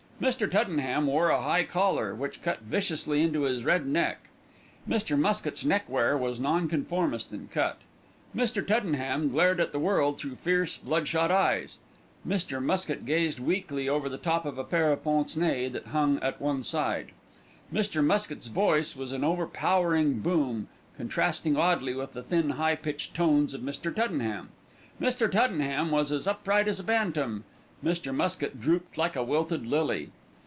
Mr. Tuddenham wore a high collar, which cut viciously into his red neck; Mr. Muskett's neckwear was nonconformist in cut. Mr. Tuddenham glared at the world through fierce, bloodshot eyes; Mr. Muskett gazed weakly over the top of a pair of pince nez that hung at one side. Mr. Muskett's voice was an overpowering boom, contrasting oddly with the thin, high pitched notes of Mr. Tuddenham. Mr. Tuddenham was as upright as a bantam; Mr. Muskett drooped like a wilted lily.